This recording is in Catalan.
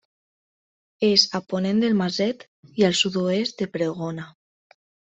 És a ponent del Maset i al sud-oest de Pregona.